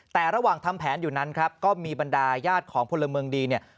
แต่ระหว่างทำแผนอยู่นั้นครับก็มีบรรดาญาติของพลเมืองดีเนี่ย